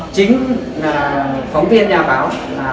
chính là phóng viên nhà báo